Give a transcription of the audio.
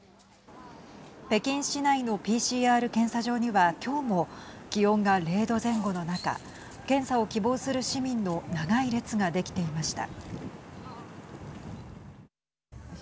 北京市内のＰＣＲ検査場には今日も気温が０度前後の中検査を希望する市民の長い列が出来ていました。